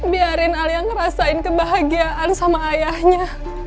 biarin alia ngerasain kebahagiaan sama ayahnya